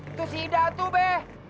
itu si indah tuh be